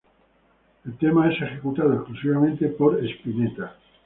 El tema es ejecutado exclusivamente por Spinetta.